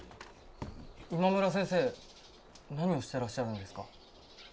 今村先生何をしていらっしゃるんですか？